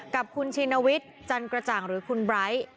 กับคุณชินวิทย์จันกระจ่างหรือคุณไบร์ท